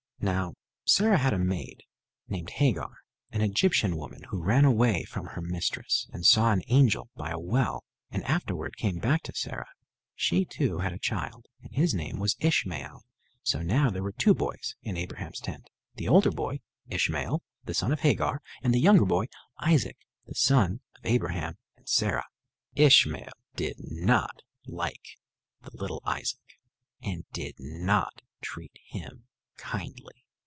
Now Sarah had a maid named Hagar, an Egyptian woman, who ran away from her mistress, and saw an angel by a well, and afterward came back to Sarah. She, too, had a child and his name was Ishmael. So now there were two boys in Abraham's tent, the older boy, Ishmael, the son of Hagar, and the younger boy, Isaac, the son of Abraham and Sarah. Ishmael did not like the little Isaac, and did not treat him kindly.